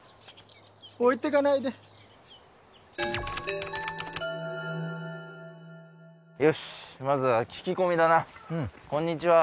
置いてかないでよしまずは聞き込みだなうん